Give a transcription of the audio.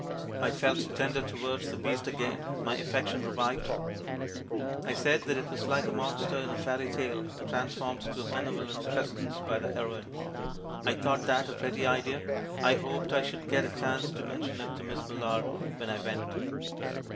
I felt tender towards the beast again, my affection revived. I said that it was like a monster in a fairy tale, transformed to a benevolent presence by the heroine. I thought that a pretty idea; I hoped I should get a chance to mention it to Miss Millar when I went.